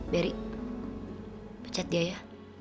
beri pecat dia ya